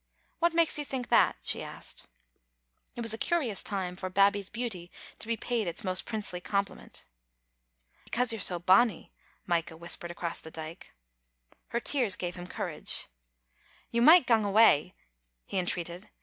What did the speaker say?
" What makes you think that?" she said. It was a curious time for Babbie's beauty to be paid its most princely compliment. "Because you're so bonny," Micah whispered across the dyke. Her tears gave him courage. " You micht gang awa," he entreated.